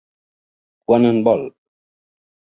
Quant en vol?